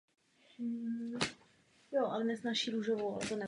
Je zapotřebí nalézt řešení, aby se předešlo vzniku konfliktů.